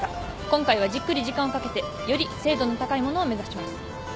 今回はじっくり時間をかけてより精度の高いものを目指します。